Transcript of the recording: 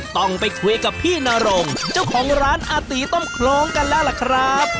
ต้องไปคุยกับพี่นรงเจ้าของร้านอาตีต้มโครงกันแล้วล่ะครับ